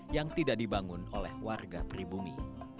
yang tidak dibangun oleh warga pribumi